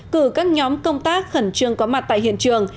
cử các nhóm công tác khẩn trương có mặt tại hiện trường